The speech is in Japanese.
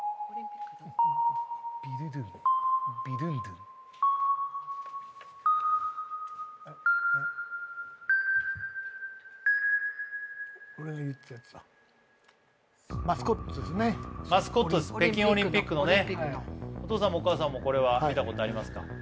オリンピック北京オリンピックのねお父さんもお母さんもこれは見たことありますか？